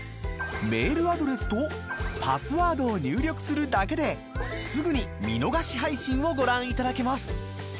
メールアドレスとパスワードを入力するだけですぐに見逃し配信をご覧いただけます。